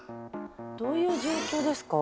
どういう状況ですか？